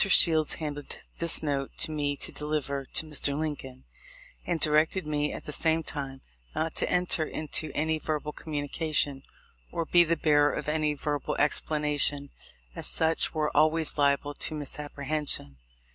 Shields handed this note to me to deliver to Mr. Lincoln, and directed me, at the same time, not to enter into any verbal communication, or be the bearer of any verbal explanation, as such were always liable to misapprehension.